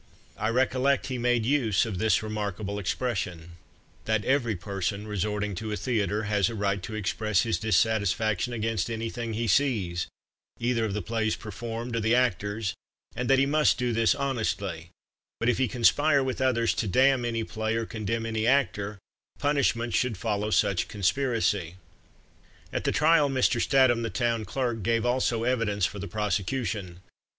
I recollect he made use of this remarkable expression, "that every person resorting to a theatre has a right to express his dissatisfaction against any thing he sees, either of the plays performed or the actors, and that he must do this honestly: but if he conspire with others to damn any play or condemn any actor, punishment should follow such conspiracy." At the trial Mr. Statham, the Town Clerk, gave also evidence for the prosecution.